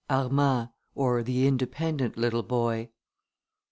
ARMAND; OR THE INDEPENDENT LITTLE BOY.